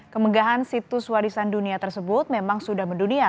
kemenggahan situs warisan dunia tersebut memang sudah mendunia